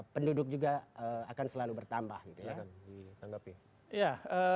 penduduk juga akan selalu bertambah gitu ya